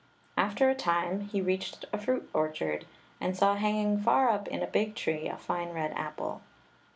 After a time he reached a fruit orchard, and saw hanging far up in a big tree a fine red apple.